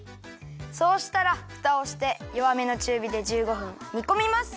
そうしたらフタをしてよわめのちゅうびで１５ふんにこみます。